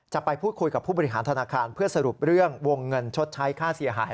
จะไปพูดคุยกับผู้บริหารธนาคารเพื่อสรุปเรื่องวงเงินชดใช้ค่าเสียหาย